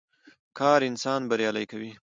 کار انسان بريالی کوي.